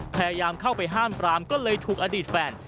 พยายามเข้าไปห้ามปรามก็เลยถูกอดีตแฟน